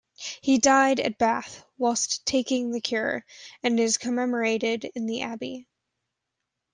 He died at Bath, whilst taking the cure, and is commemorated in the Abbey.